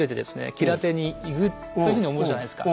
吉良邸に行くというふうに思うじゃないですか。